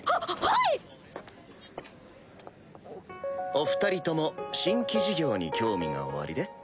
お二人とも新規事業に興味がおありで？